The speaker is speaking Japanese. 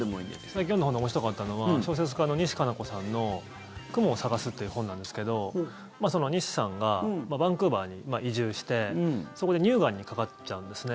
最近読んだ本で面白かったのは小説家の西加奈子さんの「くもをさがす」っていう本なんですけど西さんがバンクーバーに移住してそこで乳がんにかかっちゃうんですね。